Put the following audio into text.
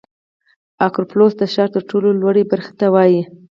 اکروپولیس د ښار تر ټولو لوړې برخې ته وایي.